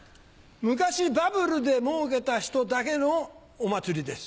昔バブルでもうけた人だけのお祭りです。